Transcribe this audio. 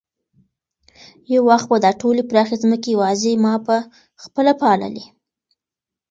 یو وخت به دا ټولې پراخې ځمکې یوازې ما په خپله پاللې.